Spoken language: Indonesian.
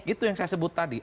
itu yang saya sebut tadi